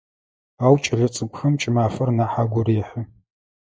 Ау кӏэлэцӏыкӏухэм кӏымафэр нахь агу рехьы.